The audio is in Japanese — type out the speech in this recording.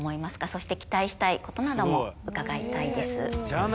そして期待したいことなども伺いたいです。